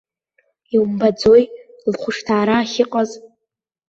Иумбаӡои лхәышҭаара ахьыҟаз.